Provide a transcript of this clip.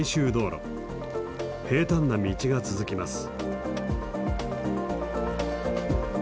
平たんな道が続きます。